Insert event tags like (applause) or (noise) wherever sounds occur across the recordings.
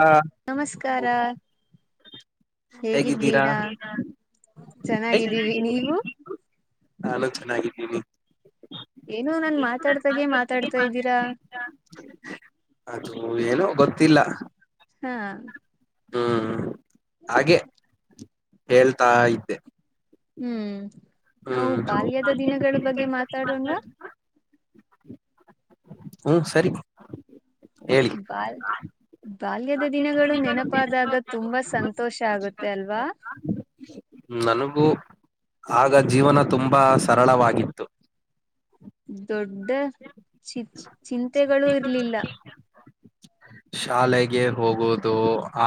ಹಾ ನಮಸ್ಕಾರ ಹೇಗಿದ್ದೀರಾ ಹೇಗಿದೀರ ಚೆನ್ನಾಗಿದ್ದೀವಿ ನೀವು ನಾನು ಚೆನ್ನಾಗಿದ್ದ (unintelligible) ಏನು ನನ್ ಮಾತಾಡ್ತಾಗೆ ಮಾತಾಡ್ತಾ ಇದ್ದೀರಾ ಹ ಏನೋ ಗೊತ್ತಿಲ್ಲ ಹಾ ಹ್ಮ್ ಹಾಗೆ ಹೇಳ್ತಾ ಇದ್ದೆ ಹ್ಮ್ ನಾವು ಹ್ಮ್ ಬಾಲ್ಯದ ದಿನಗಳ ಬಗ್ಗೆ ಮಾತಾಡೋಣವಾ ಹ್ಮ್ ಸರಿ ಹೇಳಿ ಬಲ್ ಬಾಲ್ಯದ ದಿನಗಳು ನೆನಪಾದಾಗ ತುಂಬಾ ಸಂತೋಷ ಆಗುತ್ತೆ ಅಲ್ವಾ ನನಗೂ ಆಗ ಜೀವನ ತುಂಬಾ ಸರಳವಾಗಿತ್ತು ದೊಡ್ಡ ಚಿ ಚಿಂತೆಗಳು ಇರ್ಲಿಲ್ಲ ಶಾಲೆಗೆ ಹೋಗುವುದು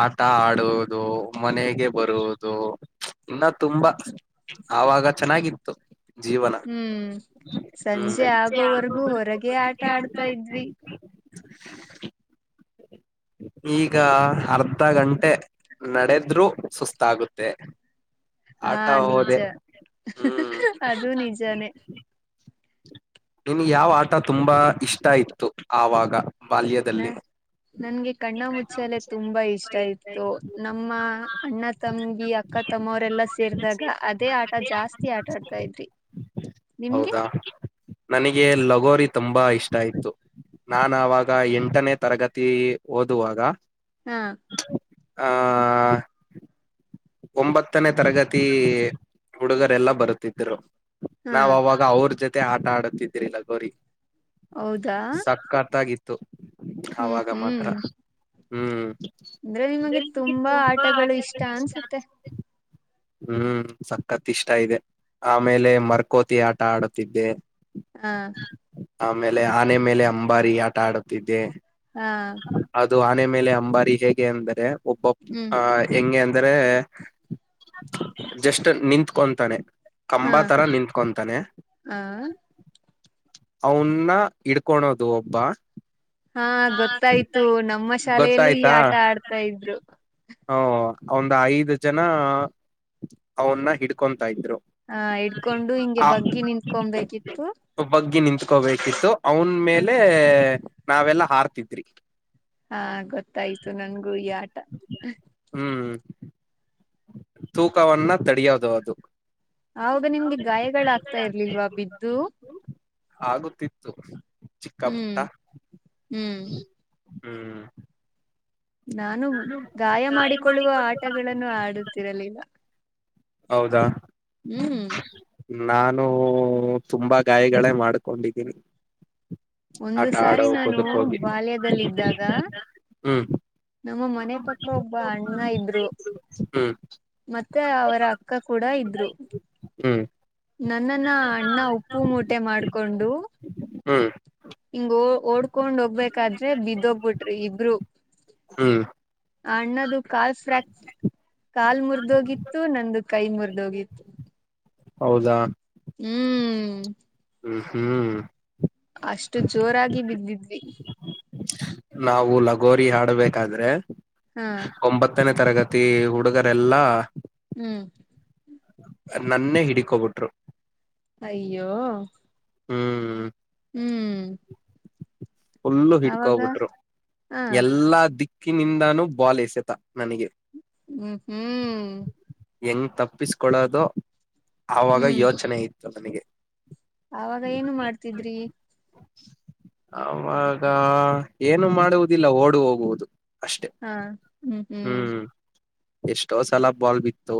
ಆಟ ಆಡುವುದು ಮನೆಗೆ ಬರುದು ಏನ್ನ ತುಂಬಾ ಆವಾಗ ಚೆನ್ನಾಗಿತ್ತು ಜೀವನ ಹ್ ಸಂಜೆ ಹ್ಮ್ ಆಗೋವರ್ಗೂ ಹೊರಗೆ ಆಟ ಆಡ್ತಾ ಇದ್ವಿ ಈಗ ಅರ್ಧ ಗಂಟೆ ನಡೆದ್ರು ಸುಸ್ತಾಗುತ್ತೆ ಹಾ ಆಟ ನಿಜ ಹೋದೆ ಹೂ ಅದು ನಿಜಾನೇ ನಿನಗೆ ಯಾವ ಆಟ ತುಂಬಾ ಇಷ್ಟ ಇತ್ತು ಆವಾಗ ನ ಬಾಲ್ಯದಲ್ಲಿ ನನ್ಗೆ ಕಣ್ಣ ಮುಚ್ಚಾಲೆ ತುಂಬಾ ಇಷ್ಟ ಇತ್ತು ನಮ್ಮ ಅಣ್ಣ ತಂಗಿ ಅಕ್ಕ ತಮ್ಮವರೆಲ್ಲಾ ಸೇರದಾಗ ಅದೇ ಆಟ ಜಾಸ್ತಿ ಆಟ ಆಡ್ತಾ ಇದ್ರಿ ನಿಮ್ಗೆ ಹೌದಾ ನನಗೆ ಲಗೋರಿ ತುಂಬಾ ಇಷ್ಟ ಇತ್ತು ನಾನ್ ಆವಾಗ ಎಂಟನೇ ತರಗತಿ ಓದುವಾಗ ಹಾ ಆ ಒಂಬತ್ತನೇ ತರಗತಿ ಹುಡುಗರೆಲ್ಲಾ ಬರುತ್ತಿದ್ರು ಹಾ ನಾವ್ ಅವಾಗಾ ಅವ್ರು ಜೊತೆ ಮತ್ತೆ ಆಟ ಆಡುತಿದ್ದಿರಿ ಲಗೋರಿ ಹೌದಾ ಸಾಕ್ಕಾತ್ ಆಗತ್ತು ತು ಹ್ಮ್ ಆವಗಾ ಹ್ಮ್ ಮಾತ್ರ ಹು ಅಂದ್ರೆ ನಿಮಗೆ ತುಂಬಾ ಆಟಗಳು ಇಷ್ಟ ಆಟಗಳ ಇಷ್ಟಾ ಅನ್ಸುತ್ತೆ ಹೂಂ ಸಕ್ಕತ್ ಇಷ್ಟ ಇದೆ ಆಮೇಲೆ ಮರ್ಕೋತಿ ಆಟ ಆಡುತ್ತಿದ್ದೆ ಹಾ ಆಮೇಲೆ ಆನೆ ಮೇಲೆ ಅಂಬಾರಿ ಆಟ ಆಡುತ್ತಿದ್ದೆ ಹಾ ಅದು ಆನೆ ಆಮೇಲೆ ಅಂಬಾರಿಗೆ ಹಿಗೆ ಅಂತರೆ ಒಬಬ ಹ್ಮ್ ಆ ಹೆಂಗೆಂದರೆ ಹೇ ಹ ಜಸ್ಟ್ ನಿತ್ಕೊಂತಾನೆ ಕಂಬ ಹಾ ತರ ನಿತ್ಕೊಂತಾನೆ ಹ ಅವನ್ನ ಇಡ್ಕೊಳೋದು ಒಬ್ಬ ಹಾ ಗೊತ್ತಾಯ್ತು ನಮ್ಮ ಶಾಲೆಯಲ್ಲೂ ಈ ಗೊತ್ತಾಯ್ತಾ ಆಟ ಆಡ್ತಾ ಇದ್ರು ಹ ಒಂದ್ ಐದು ಜನ ಅವನ್ನ ಹಿಡ್ಕೊಳ ಹಾ ಇಡ್ಕೊಂಡು ಹಿಂಗೆ ಬಗ್ಗಿ ನಿಂತ್ಕೊಬೇಕಿತ್ತು ನಿತ್ಕೋಬೇಕಿತ್ತು ಅವನ ಹ ಮೇಲೆ ನಾವೆಲ್ಲ ಹಾರ್ತಿದ್ರಿ ಹಾ ಗೊತ್ತಾಯ್ತು ನನ್ಗೂ ಈ ಆಟ ಹ ಹ್ಹ ತೂಕವನ್ನ ತಡಿಯೋದು ಅದು ಆವಗಾನಿಮ್ಗೆ ಗಾಯಗಳಾಗಗ್ತಾ ಇರ್ಲಿಲ್ವಾ ಬಿದ್ದು ಆಗುತ್ತಿತ್ತು ಹ್ಮ್ ಚಿಕ್ಕಾಪುಟ್ಟಾ ಹ್ಮ್ ಹ್ಮ್ ನಾನು ಗಾಯ ಮಾಡಿಕೊಳ್ಳುವ ಆಟಗಳನ್ನು ಆಡುತ್ತಿರಲಿಲ್ಲ ಹೌದಾ ಹ್ಮ್ ಹ್ಮ್ ನಾನು ತುಂಬಾ ಗಾಯಗಳೇ ಮಾಡ್ಕೊಂಡಿದ್ದೀನಿ ಒಂದು ಆಟ ಆಡೋ ಸಾರಿ ನಾನು ಕುದಕ್ಕೋಗಿ ಬಾಲ್ಯದಲ್ಲಿದ್ದಾಗ ಹ್ಮ್ (inaudible) ನಮ್ಮ ಮನೆ ಪಕ್ಕ ಒಬ್ಬ ಅಣ್ಣ ಇದ್ರು ಹ್ಮ್ ಮತ್ತೆ ಅವರ ಅಕ್ಕ ಕೂಡ ಇದ್ರು ಹ್ಮ್ ನನ್ನನ್ನ ಅಣ್ಣ ಉಪ್ಪು ಮೂಟೆ ಮಾಡ್ಕೊಂಡು ಹ್ಮ್ ಓ ಓಡ್ಕೊಂಡ್ ಹೋಗ್ಬೇಕಾದ್ರೆ ಬಿದ್ದೋಗ್ಬಿಟ್ರಿ ಇಬರು ಹ್ಮ್ ಅಣ್ಣದು ಕಾಲ್ ಫ್ರ್ಯಾಕ್ ಕಾಲ್ ಮುರಿದೋಗಿತ್ತು ನಂದು ಕೈ ಮುರ್ದೋಗಿತ್ತು ಹೌದಾ ಹ್ಮ್ ಹ್ಮ್ ಅಷ್ಟು ಜೋರಾಗಿ ಬಿದ್ದಿದ್ವಿ ನಾವು ಲಗೋರಿ ಹಾಡ್ಬೇಕಾದ್ರೆ ಹಾ ಒಂಬತ್ತನ ತರಗತಿ ಹುಡುಗರೆಲ್ಲಾ ಹ್ಮ್ ನನ್ನೇ ಹಿಡಿಕೊಬಿಟ್ರು ಅಯ್ಯೋ ಹ್ಮ್ ಹ್ಮ್ ಫುಲ್ಲು ಹಿಡ್ಕೋ ಅವಾಗ ಬಿಟ್ರು ಹ ಎಲ್ಲಾ ದಿಕ್ ದಿಕ್ಕಿನಿಂದಾನು ಬಾಲ್ ಎಸೆತ ನನಗೆ ಹ್ಮ್ ಹ್ಮ್ ಹೆಂಗ್ ತಪ್ಪಿಸ್ಕೊಳೋದು ಆವಾಗ ಹ್ಮ್ ಯೋಚನೆ ಇತ್ತು ನನಗೆ ಅವಾಗ ಏನು ಮಾಡ್ತಿದ್ರಿ ಅವಾಗ ಏನು ಮಾಡುವುದಿಲ್ಲ ಓಡು ಹೋಗುವುದು ಅಷ್ಟೆ ಹಾ ಹ್ಮ್ ಹ್ಮ್ ಎಷ್ಟೋ ಸಲ ಬಾಲ್ ಬಿತ್ತು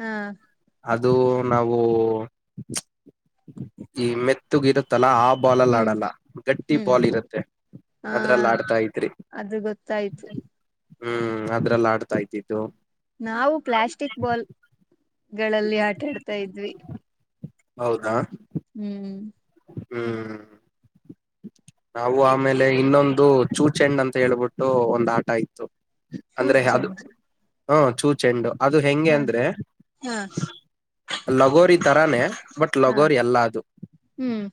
ಹಾ ಅದು ನಾವು ಈ ಮೆತುಗೆ ಇರುತ್ತಲ್ಲ ಆ ಬಾಲ್ ಅಲ್ಲಿ ಹ್ಮ್ ಆಡಲ್ಲ ಗಟ್ಟಿ ಹ್ಮ್ ಬಾಲ್ ಇರುತ್ತೆ ಹಾ ಅದ್ರಲ್ಲಿ ಆಡ್ತಾ ಇದ್ರಿ ಅದು ಗೊತ್ತಾಯ್ತು ಹ್ಮ್ ಅದ್ರಲ್ಲ ಆಡ್ತಾ ಇದಿದ್ದು ನಾವು ಪ್ಲಾಸ್ಟಿಕ್ ಬಾಲ್ ಗಳಲ್ಲಿ ಆಟಾಡ್ತಾ ಇದ್ವಿ ಹೌದ ಹ್ಮ್ ಹ್ಮ್ (inaudible) ನಾವು ಆಮೇಲೆ ಇನ್ನೊಂದು ಚೂ ಚೆಂಡ್ ಅಂತ ಹೇಳ್ಬಿಟ್ಟು ಒಂದ ಆಟ ಇತ್ತು ಚೂ ಚೆಂಡ ಹಾ ಚೂಚೆಂಡು ಅದು ಹೆಂಗೆ ಅಂದ್ರೆ ಹ ಲಗೋರಿ ತರಾನೇ ಬಟ್ ಹ ಲಗೋರಿ ಅಲ್ಲ ಅದು ಹ್ಮ್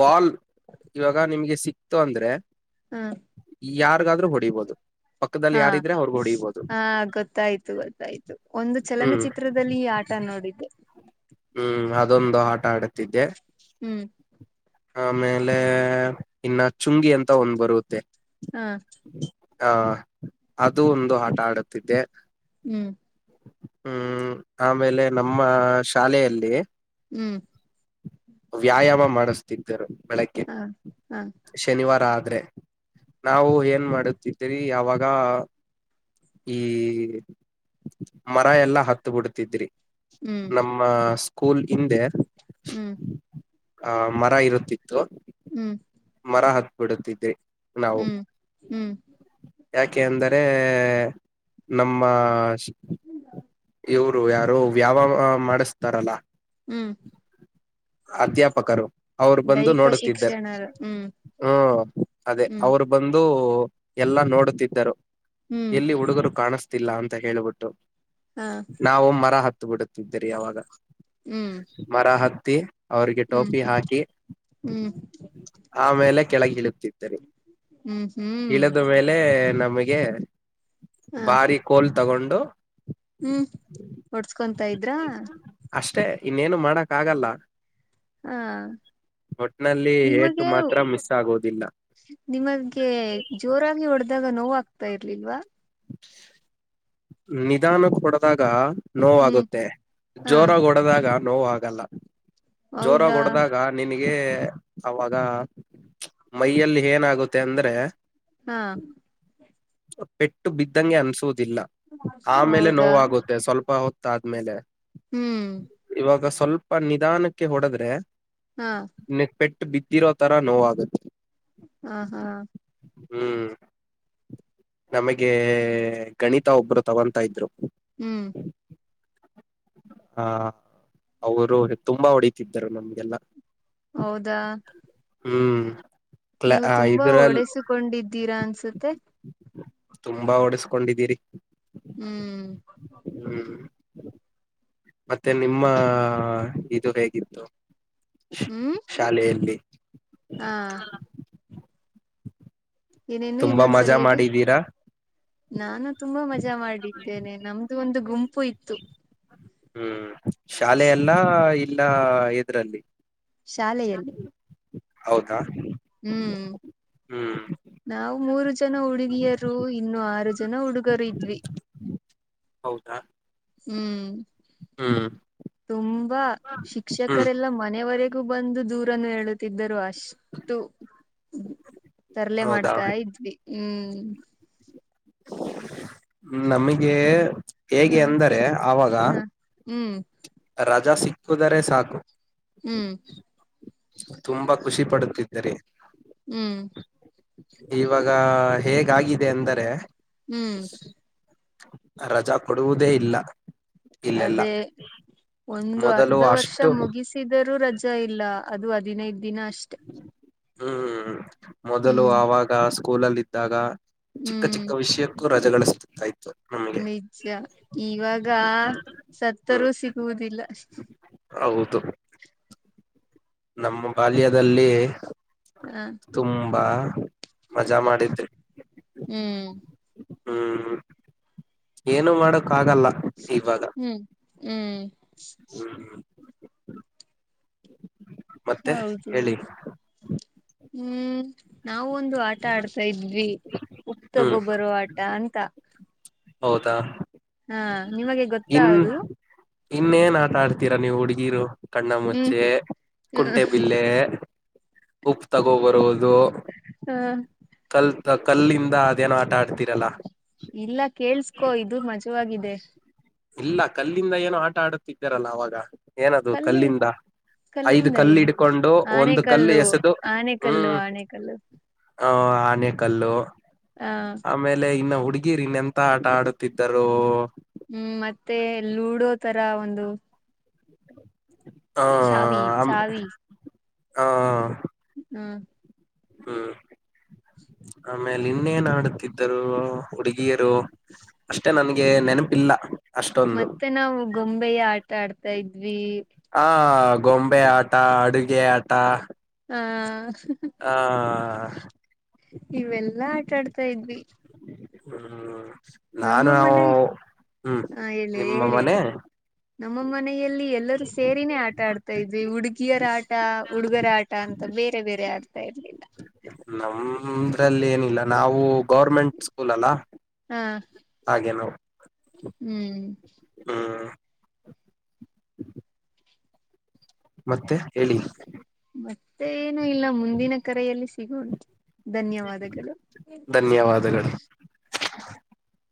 ಬಾಲ್ ಇವಾಗ ನಿಮ್ಗೆ ಸಿಕ್ತು ಅಂದ್ರೆ ಹ ಯಾರಿಗಾದ್ರೂ ಹೊಡಿಬಹದು ಹಾ ಹ ಗೊತ್ತಾಯ್ತು ಗೊತ್ತಾಯ್ತು ಒಂದು ಹ್ಮ್ ಚಲನಚಿತ್ರದಲ್ಲಿ ಈ ಆಟ ನೋಡಿದ್ದೆ ಹ್ಮ್ ಅದೊಂದು ಆಟ ಆಡುತ್ತಿದ್ದೆ ಹ್ಮ್ ಆಮೇಲೆ ಇನ್ನ ಚುಂಗಿ ಅಂತ ಒಂದ್ ಬರುದು ಹಾ ಹ ಅದು ಒಂದು ಆಟ ಆಡುತ್ತಿದ್ದೆ ಹ್ಮ್ ಹ್ಮ್ ಆಮೇಲೆ ನಮ್ಮ ಶಾಲೆಯಲ್ಲಿ ಹ್ಮ್ ವ್ಯಾಯಾಮ ಮಾಡ! ! ಮಾಡಿಸ್ತೀದರು ಬೆಳಗ್ಗೆ ಹಾ ಹಾ ಶನಿವಾರ ಆದ ಆದ್ರೆ ನಾವು ಏನ್ ಮಾಡುತ್ತಿದ್ರಿ ಅವಾಗ ಈ ಮರ ಎಲ್ಲಾ ಹತ್ತ ಬಿಡ್ತಿದ್ರಿ ಹ್ಮ್ ನಮ್ಮ ಸ್ಕೂಲ್ ಹಿಂದೆ ಹ್ಮ್ ಆಹ ಮರ ಇರುತ್ತಿತ್ತು ಹ್ಮ್ ಮರ ಹಾತುಬಿಡುತಿದ್ದೆ ನಾವು ಹ್ಮ್ ಹ್ಮ್ ಯಾಕೆ ಅಂದರೆ ನಮ್ಮ ಇವ್ರು ಯಾರು ವ್ಯಾವ ಮಾಡಿಸ್ತಾರಲ್ಲ ಹ್ಮ್ ಅಧ್ಯಾಪಕರು ಅವರು ಬಂದು ದೈಹಿಕ ನೋಡುತ್ತಿದ್ದಾರೆ ಶಿಕ್ಷಣ ಹ್ಮ್ ಹ್ಮ ಅದೇ ಹ್ಮ್ ಅವರು ಬಂದು ಎಲ್ಲಾ ನೋಡುತ್ತಿದ್ದರು ಹ್ಮ್ ಎಲ್ಲಿ ಹುಡುಗರು ಕಾಣತ ಗೊತ್ತ ಅಂತ ಹೇಳೇಳ್ಬಿಟ್ಟು ಹಾ ನಾವು ಮರ ಹತ್ತು ಬಿಡುತ್ತಿದ್ದರಿ ಯಾವಾಗ ಹ್ಮ್ ಕ ಹತ್ತ ಅವ್ರಿಗೆ ಹ್ಮ್ ಟೋಪಿ ಹಾಕಿ ಹ್ಮ್ ಆಮೇಲೆ ಕೆಳಗೆ ಇಳುತ್ತಿದ್ದರಿ ಹ್ಮ್ ಹ್ಮ್ ಇಳಿದ ಮೇಲೆ ನಮ್ಮ ನಮಗೆ ಹ ಬಾರಿ ಕೋಲ್ ತಗೊಂಡು ಹ್ಮ್ ಒಡ್ಸ್ಕೊಂತ ಇದ್ರ ಅಷ್ಟೇ ಇನ್ನೇನು ಮಾಡಕ್ ಆಗಲ್ಲ ಹಾ ಒಟ್ನಲ್ಲಿ ಏಟು ನಿಮಗೆ ಮಾತ್ರ ಮಿಸ್ ಆಗೋದಿಲ್ಲ ನಿಮಗೆ ಜೋರಾಗಿ ಹೊಡೆ್ದ ಇದಾಗ ನೋವ ಆಗ್ತಾ ಇರ್ಲಿಲ್ವಾ ನಿಧಾನ ಕೊಡದಾಗ ಹ್ಮ್ ನೋವಾಗುತ್ತೆ ಹಾ ಜೋರ ಹೊಡದಾಗ ನೋವು ಆಗಲ್ಲ ಜೋರ ಹೌದಾ ಹೊಡ್ದಾಗ ನಿಿನಗೆ ಹಾಗಗೆ ಅವಾಗ ಮೈಯಲ್ಲಿ ಏನಾಗುತ್ತೆ ಅಂದ್ರೆ ಹಾ ಪೆಟ್ಟು ಬಿದ್ದಂಗೆ ಅನ್ಸೋುದು ಆಮೇಲೆ ಹೌದಾ ನೋವಾಗುತ್ತೆ ಸ್ವಲ್ಪ ಹೊ ಆದ್ಮೇಲೆ ಹ್ಮ್ ಇವಾಗ ಸ್ವಲ್ಪ ನಿಧಾನಕ್ಕೆ ಹೊಡೆದ್ರೆ ಹಾ ನೆಕ್ಪೆಟ್ಟ ಬಿದ್ದಿರೋ ತರ ನೋವಾಗುತ್ತೆ ಹಾ ಹಾ ಹ್ಮ್ ನಮಗೆ ಗಣಿತ ಒಬ್ರು ತಗೊತ ಇದ್ರು ಹ್ಮ್ ಹಾ ಅವರು ತುಂಬಾ ಹೊಡ ರು ನಮ್ಗೆಲ್ಲ ಹೌದಾ ಹ್ಮ್ ಕ್ಲ ನೀವು ತುಂಬಾ ಇದರಲ್ಲಿ ಒಡೆಸಕೊಂಡಿದ್ದೀರಾ ಅನ್ಸುತ್ತ ಮತ್ತು ತುಂಬಾ ಓಡಸ್ಕೊಂಡಿದ್ದೀರಿ ಹ್ಮ್ ಮತ್ತೆ ನಿಮ್ಮ ಇದು ಹೇಗಿತ್ತು ಹ್ಮ್ ಶಾಲೆಯಲ್ಲಿ ಹಾ ಏನೇನು ತುಂಬಾ ಮಜಾ ಇನ್ನೊಂದ್ಸರಿ ಹೇಳಿ ಮಾಡಿದ್ದೀರಾ ನಾನು ತುಂಬಾ ಮಜಾ ಮಾಡಿದ್ದೇನೆ ನಮ್ದು ಒಂದು ಗುಂಪು ಆಯ್ತು ಹ್ಮ್ ಶಾಲೆ ಎಲ್ಲಾ ಎಲ್ಲಾ ಇದ್ರಲ್ಲಿ ಶಾಲೆಯಲ್ಲಿ ಹೌದಾ ಹ್ಮ್ ಹ್ಮ್ ನಾವು ಮೂರು ಜನ ಹುಡುಗಿಯರು ಇನ್ನುೂ ಆರು ಜನ ಹುಡುಗರು ಇದ್ವಿ ಹೌದಾ ಹ್ಮ್ ಹ್ಮ್ ತುಂಬಾ ಹ್ಮ್ ಶಿಕ್ಷಕರೆಲ್ಲಾ ಮನೆಯವರೆ ಬಂದು ದೂರನ್ನು ಹೇಳುತ್ತಿದ್ದರು ಅಷ್ಟು ತರ್ಲೆೇ ಹೌದಾ ಮಾಡ್ತಾ ಇದ್ವಿ ಹ್ಮ್ ನಮಗೆ ಹ ಹೇಗೆ ಅಂದರೆ ಆವಾಗ ಹ ಹ್ಮ್ ರಜಾ ಸಿಕ್ಕುದರೆ ಸಾಕು ಹ್ಮ್ ತುಂಬಾ ಖುಷಿ ಪಡುತ್ತಿದ್ದರೆ ಹ್ಮ್ ಇವಾಗ ಹೇಗಾಗಿದೆ ಅಂದರೆ ಹ್ಮ್ ರಜಾ ಕೊಡುವುದೇ ಇಲ್ಲ ಇಲ್ಲೆಲ್ಲ ಅದೇ ಒಂದು ಮೊದಲು ಅರ್ಧ ವರ್ಷ ಅಷ್ಟು ಮುಗಿಸಿದರೂ ರಜಾ ಇಲ್ಲ ಅದು ದಿನೈ ದಿನಚ್ ಅಷ್ಟ ಹ್ಮ್ ಹ್ಮ್ ಮೊದಲು ಆವಾಗ ಕೂಲಲ್ಲಿದ್ದಾಗ ಚಿಕ್ಕ ಹ್ಮ್ ಚಿಕ್ಕ ವಿಷಯಗಳು ರಜಗಳಿತು ನಿಜ ಇವಾಗ ಹ್ಮ್ ಸತ್ತರೂ ಸಿಗುವುದಿಲ್ಲ ಹೌದು ನಮ್ಮ ಬಾಲ್ಯದಲ್ಲಿ ಹ (inaudible) ತುಂಬ ಬಾ ಮಜಾ ಮಾಡಿದಿ ಹ್ಮ್ ಹ್ಮ್ ಏನು ಮಾಡಕ್ ಆಗಲ್ಲ ಹ್ಮ್ ಹ್ಮ್ ಹ್ಮ್ಮ ಮತ್ತೆ ಹೌದು ಹೇಳಿ ಹ್ಮ್ ನಾವವು ಒಂದು ಆಟ ಆಡ್ತಾ ಇದ್ವಿ ಉಪ್ಪ ಹ್ಮ್ ತಗೊ ಬರೋ ಆಟ ಅಂತ ಹೌದಾ ಹಾ ನಿಮಗೆ ಇನ್ ಗೊತ್ತದು ಇನ್ನೇನ್ ಆಟ ಆಡ್ತೀರಾ ನೀವು ಹುಡುಗೀರು ಕಣ್ಣ ಹ್ಮ್ ಮುುಚ್ಚೆ ಕುಂಟೆ ಬಿಲ್ಲೆ ಉಪ್ಪು ತಗೋ ಬರೋದು ಅದು ಹ ಕಲ್ ಕಲ್ಲಿಂದ ಅದೇನೋ ಆಟ ಆಡ್ತಿರಲ್ಲ ಇಲ್ಲ ಕೇಳ್ಸ್ ಕೋ ಇದು ಮಜವಾಗಿದೆ ಇಲ್ಲ ಕಲ್ಲಿಂದ ಏನು ಆಟ ಆಡುತ್ತಿದ್ದಾರಲ್ಲ ಅವಾಗ ಏನದು ಕಲ್ಲಿ ಕಲ್ಲಿಂದ ಐದು ಕಲ್ಲಿಂದ ಕಲ್ಲಿು ಏನು ಇಡ್ಕೊಂಡು ಒಂದು ಕಲ್ಲು ಆನೆಕಲ್ಲು ಎಸೆದು ಆನೆಕಲ್ಲು ಹ್ಮ್ ಆನೆಕಲ್ಲು ಆ ಆನೆ ಕಲ್ಲು ಹ ಆಮೇಲೆ ಇನ್ನ ಹುಡುಗಿ ಗಿರಿನ್ ಎಂತ ಆಟ ಆಡುತ್ತಿದ್ದರು ಹ್ಮ್ ಮತ್ತೆ ಲೂಡೋ ತರ ಒಂದು ಹ ಚಾವ ಚಾವ ಹ ಹಾ ಹ್ಮ್ ಆಮೇಲೆ ಇನ್ನೇನ್ ಆಡುತ್ತಿದ್ದರು ಹುಡುಗಿಯರು ಅಷ್ಟೆ ನನ್ಗೆ ನೆನಪಿಲ್ಲ ಅಷ್ಟೊಂದು ಮತ್ತೆ ನಾವು ಗೊಂಬೆಯ ಆಟ ಆಡ್ತಾ ಇದ್ವಿ ಆ ಗೊಂಬೆ ಆಟ ಅಡುಗೆ ಆಟ ಆ ಹ ಇವೆಲ್ಲಾ ಆಟ ಆಡ್ತಾ ಇದ್ವಿ ಹ್ಮ ನಮ್ಮ ಮನೆ ಹ ಹೇಳಿ ನಿಮ್ಮ ಹೇಳಿ ಮನೆ ಹೇಳಿ ನಮ್ಮ ಮನೆಯಲ್ಲಿ ಎಲ್ಲರೂ ಸೇರಿನೇ ಆಟ ಆಡ್ತಾ ಇದ್ವಿ ಹುಡುಗಿ ಹುಡುಗಿಯರ ಆಟ ಹುಡುಗರ ಆಟ ಅಂತ ಬೇರೆ ಬೇರೆ ಆಡ್ತಾ ಇರ್ಲಿಲ್ಲ ನಮ್ರಲ್ಲಿ ಏನಿಲ್ಲ ನಾವು ಗೌರ್ಮೆಂಟ್ ಸ್ಕೂಲ್ ಅಲ್ಲ ಹಾ ಹಾಗೆ ನಾವು ಹ್ಮ್ ಹ ಮತ್ತೆ ಹೇಳಿ ಮತ್ತೆ ಇ ಇಲ್ಲ ಮುಂದಿನ ಕರೆಯಲ್ಲಿ ಸಿಗೋನ ಧನ್ಯವಾದಗಳು ಧನ್ಯವಾದಗಳು. (unintelligible)